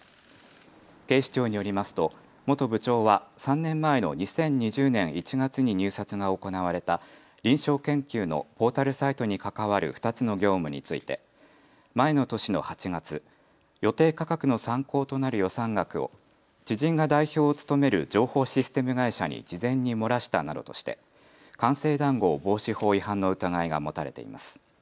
警視庁によりますと元部長は３年前の２０２０年１月に入札が行われた臨床研究のポータルサイトに関わる２つの業務について前の年の８月、予定価格の参考となる予算額を知人が代表を務める情報システム会社に事前に漏らしたなどとして官製談合防止法違反の疑いが持たれています。